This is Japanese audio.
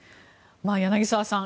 柳澤さん